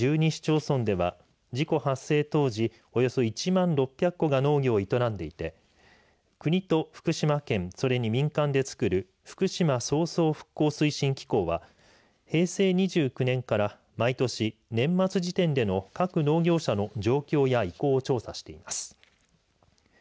市町村では事故発生当時およそ１万６００戸が農業を営んでいて国と福島県それに民間でつくる福島相双復興推進機構は平成２９年から、毎年年末時点での各農業者の